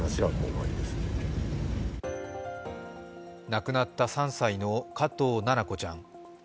亡くなった３歳の加藤七菜子ちゃん。